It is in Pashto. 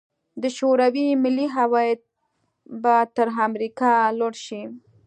د شوروي ملي عواید به تر امریکا لوړ شي.